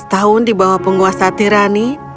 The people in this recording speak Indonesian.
sebelas tahun di bawah penguasa tirani